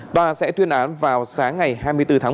tòa sẽ tuyên án vào sáng ngày hai mươi bốn tháng một